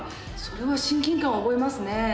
それは親近感を覚えますね。